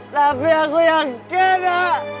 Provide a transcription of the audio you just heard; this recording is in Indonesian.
tapi aku yang kena